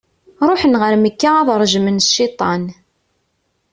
Ruḥen ɣer Mekka ad rejmen cciṭan.